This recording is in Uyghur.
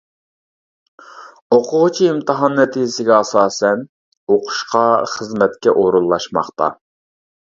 ئوقۇغۇچى ئىمتىھان نەتىجىسىگە ئاساسەن ئوقۇشقا، خىزمەتكە ئورۇنلاشماقتا.